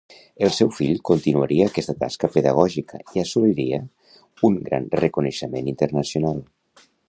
El seu fill continuaria aquesta tasca pedagògica i assoliria un gran reconeixement internacional.